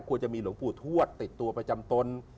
ควรจะมีหลวงปู่ทวดติดตัวประจำตน